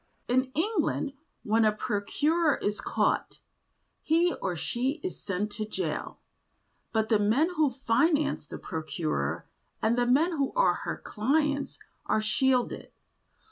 In England when a procurer is caught, he or she is sent to jail, but the men who finance the procurer and the men who are her clients are shielded.